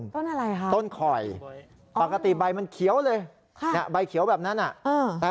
ต้นอะไรคะต้นขอยปกติใบมันเขียวเลยใบเขียวแบบนั้น